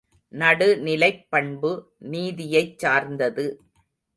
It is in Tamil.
நடுநிலைப் பண்பு, நீதியைச் சார்ந்தது.